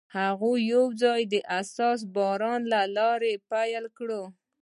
هغوی یوځای د حساس باران له لارې سفر پیل کړ.